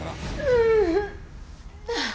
うっああ